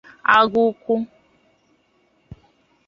Agụkwu